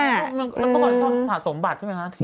แล้วก่อนส่งผสมบัตรใช่ไหมคะ